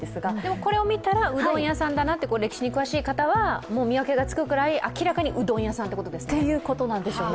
これを見たら、うどん屋さんだなと、歴史に詳しい方は見分けがつくくらい、明らかにうどん屋さんということなんですね。